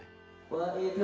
kisah kisah dari nu